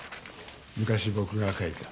昔僕が書いた。